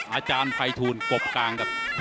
อาจารย์ภัยทูลกบกลางครับ